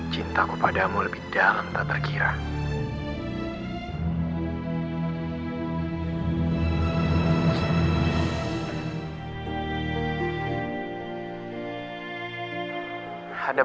kak sam ngerah